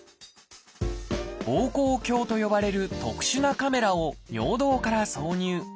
「ぼうこう鏡」と呼ばれる特殊なカメラを尿道から挿入。